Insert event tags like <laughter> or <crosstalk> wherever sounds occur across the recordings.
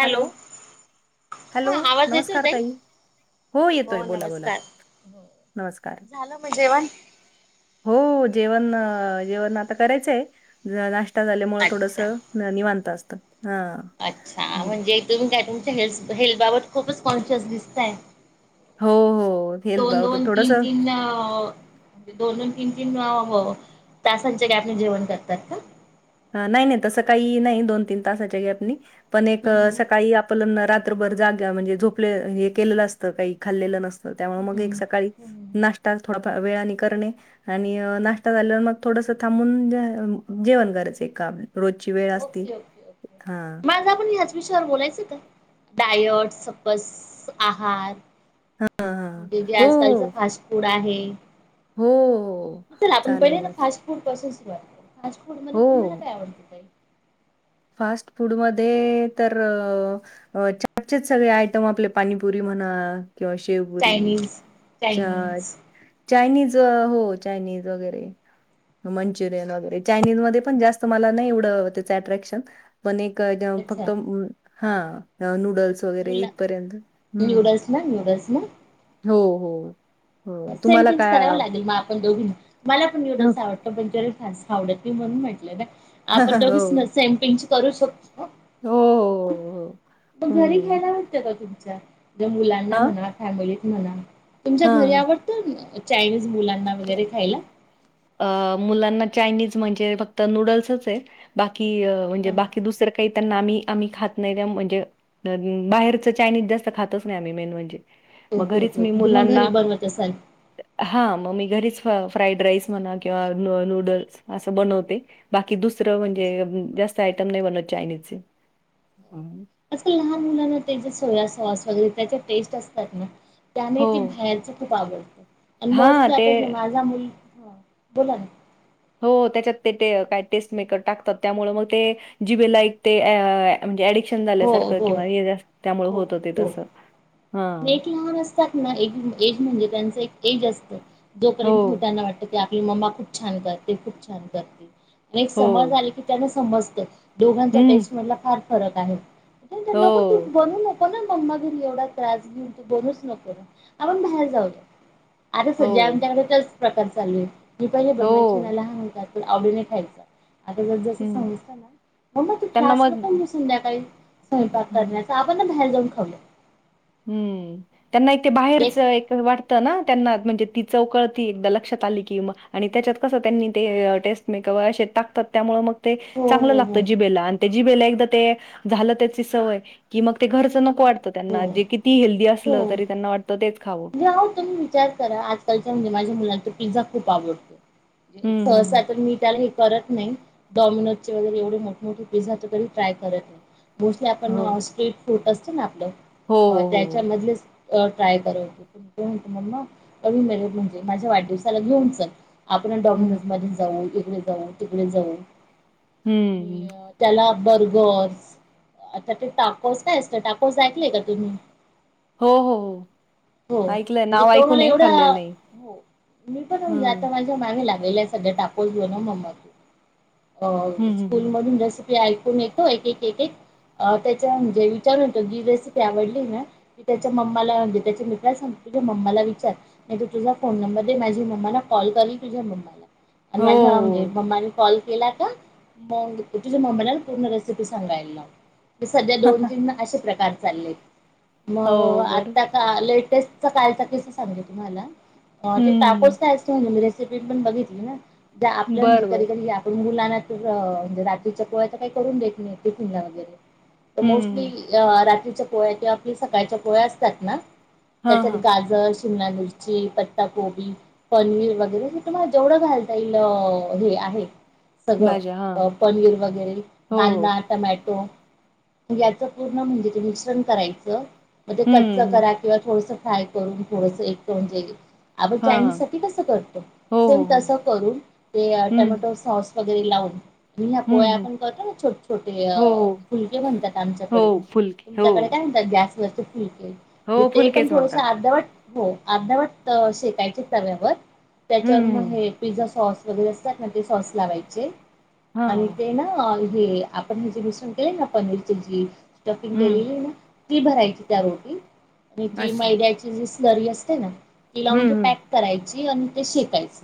Hello. Hello हा आवाज येतोय नमस्कार ताई हो येतोय बोला बोला नमस्कार झालं मग हो जेवण जेवण आता करायचंय जर नाश् जेवण झाल्यामुळे अच्छा थोडसं निवांतता असतं हा अच्छा हम्म. म्हणजे तुम्ही काय तुमच्या हेल् हेल्थ बाबत खूपच कॉन्शियस दिसताय हो हो हेल्थ दोन बाबत दोन तीन थोडंसं तीन अ दोन दोन तीन तीन तासांचे ग्यापने जेवण करतात का नाही नाही तस काही नाही दोन तीन तासाचे गॅप नी पण एक हम्म सकाळी आप तुलन्ना रात्रभर जाग्या म्हणजे झोपले हे केलेलं असतं काही खाल्लेलं नस ह त्यामुळे मग एक हम्म सकाळी हम्म नाश्ता थोडाफार वेळाने करणे आणि नाश्ता झाल्यावर मग थोडस थांबून जेवण करायचं आहे का आप. रोजची वेळ असती ओके ओके ओके हा. मग आपण ह्याच विषयावर बोलायचं का डायट सपस आहार ह ह म्हणजे जे आजकालच फास्ट फूड आहे हो हो चला आपण चालेल करुया ना फास्ट फू खूपसे हो णती फास्ट फूडमध्ये तर अ छटचेच सगळे आयटम आपले पाणीपुरी म्हणा किंवा शेवपुरी चायनीज चचा. चायनीज चायनीज हो चायनीज वगैरे मंचुरियन वगैरे चायनीज मध्ये पण जास्त मला नाही एवढं त्याचं अट्रॅक्शन पण एक जेव्हा अच्छा फक्त मु हा आ नूडल्स वगैरे इथपर्यंत मुलं हम्म न्यूडल्स ना न्यूडल्स ना हो हो. हो सेम तुम्हाला टंच काय करावं आव- लागेलग आपण दोघीनी मला पण नूडल्स आवडत पण त्याला फास आवडत नाही म्हणून म्हटलं ना आपण बघच हो ना सॅम्पिंग करू शकतो. हो हो, मग हो. घरी हं. घ्यायला वाटतं का तुमच्या ज मुलांना हां? म्हणा फॅमिलीत म्हणा तुमच्या घरी हां. आवडत चायनीज मुलांना वगैरे खायला अ मुलांना चायनीज म्हणजे फक्त नूडल्सच आहे बाकी म्हणजे हा बाकी दुसर क ते त्यांना आम्ही आम्ही खात नाही त्या म्हणजे धनी बाहेरच चायनीज जास्त खातच नाही आम्ही मेन म्हणजे मग ओके ओके त मग घरी बनवत असाल. हा मग मी घरीच फ्राईड राईस म्हणा किंवा नूडल्स असं बनवते. बाकी दुसरं अच्छा म्हणजे जास्त आयटम नाही. बनत चायनीजचे, अस लहान मुलांना त्यांचे सोया सॉस वगैरे त्याच्या टेस्ट असतात ना. त्याने हो. ती बाहेरच खूप आवडत. आणि हां, मोस्टली ते आता माझा मुलगा बोला ना हो त्याच्यात ते काय टेस्ट मेकर टाकतात, त्यामुळे मग ते. जीभेला लाईक ते ॲ म्हणजे ॲडिक्श हो झाल्याासारखं हो किंवा ये जा त्यामुळे हो होत होते तस हा. ज म्हणजे त्यांच एक एज असतं जो हो, करयंत खोट्यांना वाटत. ते आपली मम्मा खूप छान करते, खूप छान करते, पण एक हो. समज आली की त्याना समजतय. दोघांचा हं. टेस्ट मधला फार फरक आहे. हो, नको तू बनू पण मम्मा घरी एवढा त्रास घेऊन. तू बनूच नको ना आपण बाहेर जाऊ. आता सज्या हो, आमच्याकडेचच प्रकार चालू आहे. मी पहिले बनवायची हो. म्हणायला ह म्हणतात आवडी नाही खायच. आता जर जस हं. समजता. ना ममा तू त्यांना त्रासला मग प ब संध्याकाळी स्वयंपाक हं. करण्याचा आपण ना बाहेर जाऊन खाऊया. हम्म त्यांना एक ते बाहेरच एक वाट त्यांना म्हणजे ती चव कळती एक लक्षात आली की त्याच्यात कस त्यांनी म क असतात त्यामुळे मग ते हो चांगलं हो लागत हो. जिबेला, आणि जिबेला, एकदा ते झालं. त्याची सवय की मग ते घरचं की नको वाटतं मग त्यांना हो जे किती हेल्दी असलं तरी त्यांना वाटतं तेच खावं तम्ही विचार रा आजकालच्या म्हणे माझ्या मुला तर पिझा खूप आवडतो. हं, सहसा हं. तर मीठ आला हे करत नाही. डॉमिनोजचे वगैरे एवढे मोठ मोठठी पिझ्झा तर तरी ट्राय करत नाही मोस्टली हो. आपण स्ट्रीट फट असत ना हो, आपलं हो, हो. त्याच्यामधले ट्राय करते. म्हटले मग् अ मेरट म्हणजे माझ्या वाढदिवसाला घेऊन चल. आपण हं, डॉमिनोज मध्ये जाऊ, इकडे जाऊ, तिकडे जाऊ, हं. आणि त्याला बर्गर्स आता ते ताक <unintelligible> काय असतं. टाकसा ऐकलं का तुम्ही? हो हो हो. हो ऐकलंय म्हणजे नाव तो ऐकून मला आहे एवढा खाल्लेलं नाही. हो मी पण जात. हं. तो मागे लागलेला आहे टाकळस बनव मम्मा, हं, हं, स्कूल हं. मधून रेस ऐकून येतो एक एक एक त्याच्या म्हणजे विचारून होतो. की रेसिपी आवडली ना क त्याच्या मम्माला म्हणजे. त्याच्या मित्रांला सांग. मम्माला विचार, नाही तू तुझा फोन नंबर दे माझी मम्माला कॉल करेल तुझ्या मम्माला हो, आणि हो. माझ्या कॉल केला का? तुझ्या मम्मीला पूर्ण रेसिपी सांगायला ना. सध्या दोन, तीन, असे प्रकार चालले आहेत. मग हो, बरं. आता का लेटेस्टचा कालचा कस सांगते तुम्हाला. ते हं. टाकोच काय अस ती रेसिपी पण बघितली ना आपलं. म्हणजे बरं, बरं. कधी कधी पण मुलांना तर म्हणजे रात्रीच्या पोळ्या तर काही करून देत नाही टिफिन ला वगैरे तर हं, हं. मोस्टली रात्रीच्या पोळ्या, किंवा आपली सकाळच्या पोळ्या, असतात. ना हां, त्याच्यात हां. गाजर शिमला मिरची पत्ता कोबी पनीर वगैरे हे तुम्हा जेवढं घालता येईल. हे आहे. भाज्या, हां. सगळं पनीर वगैरे हो, कांदा टामॅटो याच पूर्ण म्हणजे ते मिश्रण करायचं म ते हं. हो. कच्च हं, हं. करा किंवा थोडस फ्राय करून थोडस एक करून जाईल. आपण हां, चायनीज हां. साठी कसं करतो हो, सेम हो, हो. तसं करून ते हं, टमॅटो सॉस वगैरे लावून म ह्या हं, पोळया हं. आपण करतो, ना छोटे, छोटे अ हो, हो. फुलके म्हणतात आमच्याकडे हो, फुलके. हो. तुमच्याकडे काय म्हणतात गॅस वरचे फुलके हो, ते पण फुलकेच थोडंसं म्हणतात. अर्धवट हो अर्ध्यावट शेकायचे तव्यावर हं, त्याच्यावर मग हं. हे पिझ्झा, सॉस, वगैरे असतात. ना ते सॉस लावायचे हां, आणि हां. ते ना आपण हे जेस <unintelligible> ना पनीरची ज स्टफिंग केलेली हं. आहे ना ती भरायची त्या रोटी आणि ती अच्छा. मैद्याची जी स्लरी असते ना ति लावून हं, तेे हं. पॅक करायची आणि ते शेकायच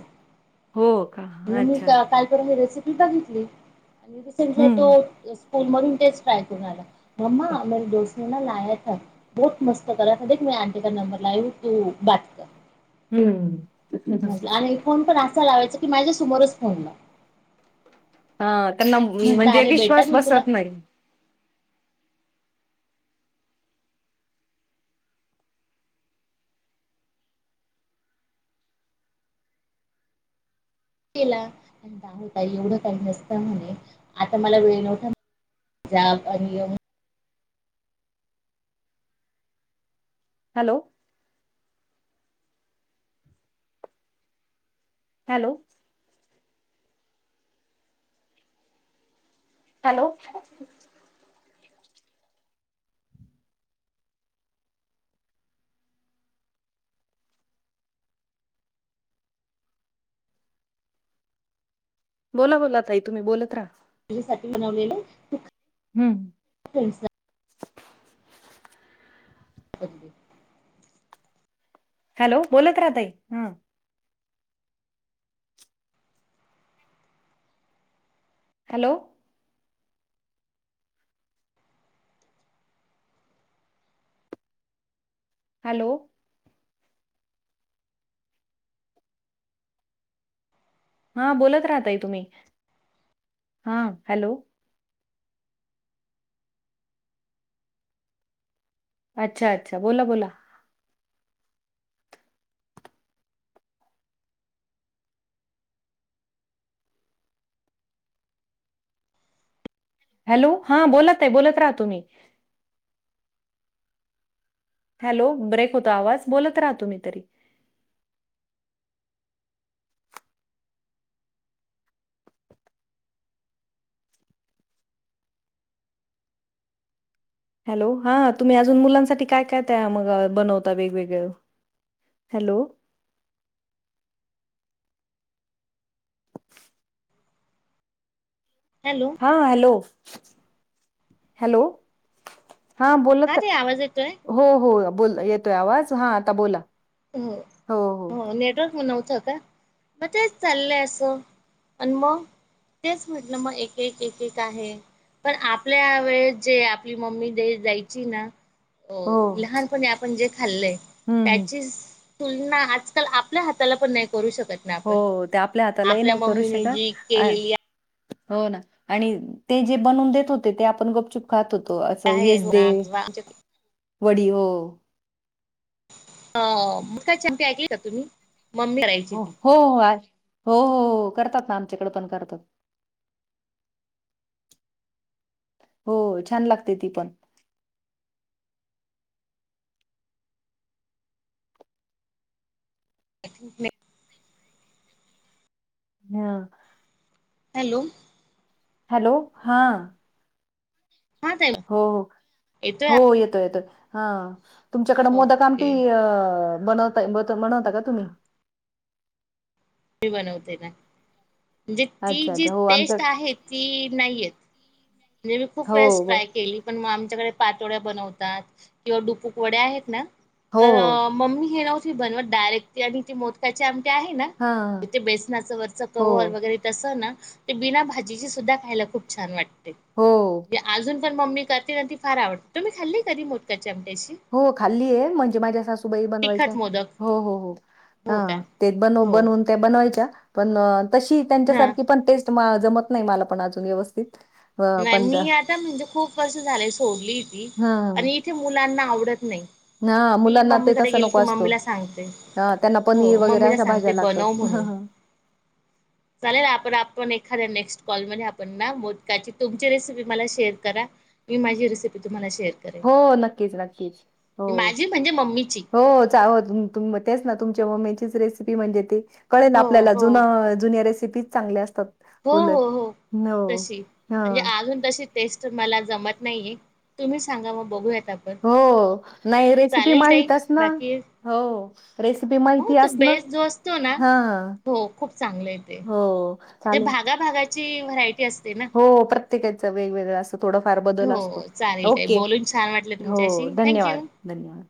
हो का? म्हणून मी अच्छा. काय कर रेसिपी बघितली आणि रिसेंटली हं, तो हं. स्कूल मधून तेच ट्राय करून आला. मम्मा मेरे दोस्त लया बहो मस्त करा दे मै आंटी का नंबर लाय ह तू बात कर हं. म्हटलं आणि फोन पण असा लावायचा की माझ्यासमोरच फोन लाव हा त्यांना म्हटलं म्हणजे अरे बेटा विश्वास मी तुला बसत नाही. ला होता एवढं काही जास्त म्हणे आता मला वेळ नव्हता चहा पाणी आणि हॅलो हॅलो हॅलो बोला बोला ताई तुम्ही बोलत राहा. साठी बनवलेलं. हम्म <unintelligible> अ <inaudible> हॅलो. बोलत, राह ताई हं हॅलो हॅलो हा बोलत राहा ताई तुम्ही हा हॅलो अच्छा अच्छा बोला बोला. हॅलो हा बोला ताई तुम्ही बोलत राहा तुम्ही. हॅलो ब्रेक होतो. आवाज बोलत रहा तुम्ही तरी हॅलो. हा तुम्ही अजून मुलांसाठी काय काय त्यांना मग बनवता वेगवेगळं. हॅलो हॅलो हां हॅलो, हॅलो हा बोला ताई ते आवाज येतोय हो हो बोल येतोय आवाज हा आता बोला हो. हो. नेटवर्क म नव्हतं काय? मग तेच चाललं. असं अनुभव तेच म्हटलं मग एक एक एक एक आहे पण आपल्या वेळेस जे आपली मम्मी दे द्यायची ना हो लहानपणी आपण जे खाल्लंय हम्म त्याची तुलना आजकाल आपल्या हाताला पण नाही करू शकत. ना आपण हो. ते आपल्या हातालाही आपल्या नाही करू, मम्मीने शकत जी अ केलेली हो ना आणि ते जे बनवून देत होते. ते आपण गपचुप खात होतो असं आहे हेच हो दे ना किंवा आमच्या वडी हो अ मग काय मपी ऐक का तुम्ही मम्मी हो. ती हो. हो हो करतात. ना आमच्याकडे पण करतात. हो. छान लागते. ती पण. <unintelligible> हां हॅलो हॅलो, हा. हा ताई हो येतोय हो हो येतो येतो हा. तुमच्याकडें मोद कामपी ओके बनवता का तुम्ही? मी बनवते ना म्हणजे ती अच्छा, जी अच्छा. हो आमच्या टेस्ट आहे ती नाहीयेत. म्हनजे मी खूप हो, वेळेस हो. ट्राय केली. पणग आमच्याकडे पातोळ्या बनवतात. किंवा डुपुक वड्या आहेत. ना. हो, तर हो. मम्मी हे नव्हती बनवत डायरेक्ट ती आणि ती मोदका्याचे आमटे आहे. ना. हां. इथे बेसनाचं वरच क हो, वगैरे तस ना ते बिना भाजीची सुद्धा खायला खूप छान वाटते. हो. अजून पण मम्मी करते ना ती फार आवड तुम्ही खाल्ली कधी मोदकाची आमटी अशी? हो खाल्ली आहे म्हणजे माझ्या सासूबाई बनवायच्या तिखट मोदक हो हो हो. हो हा काय ते बन हो बनवून त्या बनवायच्या पण तशी त्यांच्या हा सारखी पण टेस्ट जमत नाही मला पण अजून व्यवस्थित अ, नाही पण त्या मी आता म्हणजे खूप वर्ष झाले सोडली ती हां, आणि ते मुलांना आवडत नाही हां. मी मुलांना ते मम्मीकडे तसा गेल नको की असतो. मम्मीला सांगते. हा त्यांना पनीर हो वगैरे मम्मीला अशा भाज्या सांगते लागतात. बनव म्हणून चालेल आपण आपण एखाद्या नेक्स्ट कॉल मध्ये आपण ना. ची तुमची रेसिपी मला शेअर करा मी माझी रेसिपी तुम्हाला शेअर हो करेन नक्कीच-नक्कीच हो-हो. माझी म्हणजे मम्मीची तेच ना तुमच्या मम्मी चीच रेसिपी म्हणजे ते कळे ना हो आपल्याला हो जुन जुन्या रेसिपी चांगल्या असतात. हो उलट हो हो तशी हा म्हणजे अजून तशी टेस्ट मला जमत नाहीये तुम्ही सांगा म बघूयाता. हो नाही रेसिपी चालेल काही माहितच ना बाकी? हो रेसिपी हो माहिती तो असणं बेस्ट जो असतो ना हा हो खूप चांगलं आहे हो ते जे चालेल भागाभगाची व्हरायटी असते ना. हो प्रत्येकाच वेगवेगळं थोड फार बदल हो असतो चालेल ताई ओके बोलून छान वाटलं हो तुमच्याशी थँक्यू. धन्यवाद.